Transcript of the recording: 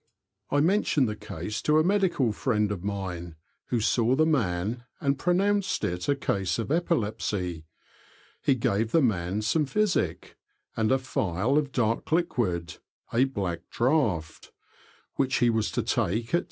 I mentioned the case to a medical friend of mine, who saw the man, and pronounced it a case of epilepsy ; he gave the man some physic, and a phial of dark liquid (a "black draught''), which he was to take at 10.